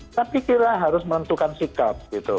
tapi kira harus menentukan sikap gitu